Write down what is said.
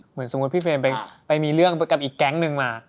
เหมือนสมมุติพี่เฟรมไปมีเรื่องกับอีกแก๊งนึงมา